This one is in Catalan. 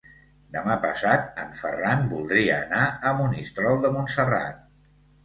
Demà passat en Ferran voldria anar a Monistrol de Montserrat.